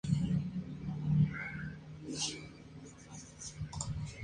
Esta propiedad está en el origen de la existencia de los hadrones.